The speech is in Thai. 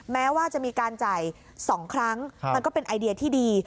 แม้ว่าจะมีการจ่าย๒ครั้งมันก็เป็นไอเดียที่ดี